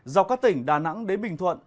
dọc các tỉnh đà nẵng đến bình thuận